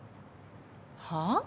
はあ？